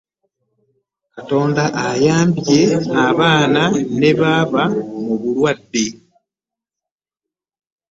Katonda ayambye abaana ne baba mu luwummula osanga bandifudde.